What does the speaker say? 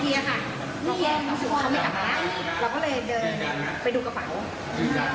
เพราะว่าทีมีจะโชว์เตรียมรูปัจจุน